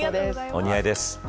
お似合いです。